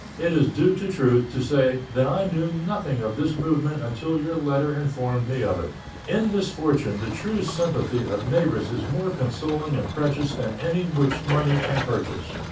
It is due to truth to say that I knew nothing of this movement until your letter informed me of it. In misfortune the true sympathy of neighbors is more consoling and precious than anything which money can purchase.